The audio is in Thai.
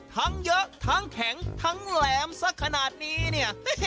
ทั้งเยอะทั้งแข็งทั้งแหลมสักขนาดนี้เนี่ย